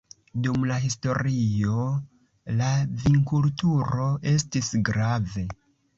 Dum la historio la vinkulturo estis grave.